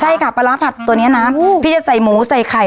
ใช่ค่ะปลาร้าผัดตัวนี้นะพี่จะใส่หมูใส่ไข่